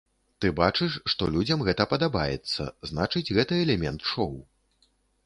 Ты бачыш, што людзям гэта падабаецца, значыць, гэта элемент шоу.